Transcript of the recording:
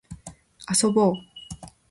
遊ぼう